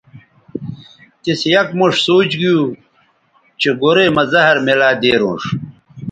تِس یک موݜ سوچ گیو چہء گورئ مہ زہر میلہ دیرونݜ